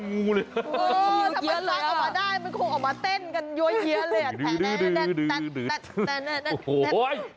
เออถ้ามันฟักมาได้คงออกมาเต้นยวยเยียนเลย